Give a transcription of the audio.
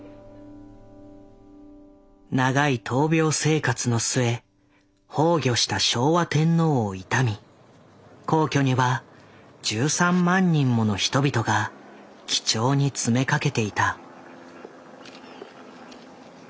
長い闘病生活の末崩御した昭和天皇を悼み皇居には１３万人もの人々が記帳に詰めかけていた。